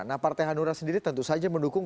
nah partai hanura sendiri tentu saja mendukung